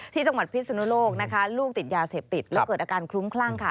ที่จังหวัดพิศนุโลกนะคะลูกติดยาเสพติดแล้วเกิดอาการคลุ้มคลั่งค่ะ